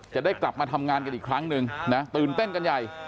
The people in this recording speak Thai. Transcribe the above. จะได้กลับมาทำงานกันอีกครั้งหนึ่งนะตื่นเต้นกันใหญ่